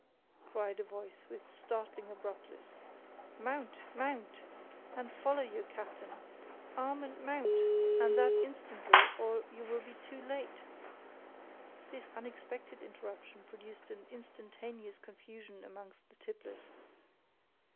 cried a voice with startling abruptness. "Mount, mount, and follow your captain; arm and mount, and that instantly, or you will be too late!" This unexpected interruption produced an instantaneous confusion amongst the tipplers.